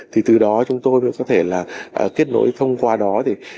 thì từ đó chúng tôi cũng có thể là kết nối thông qua đó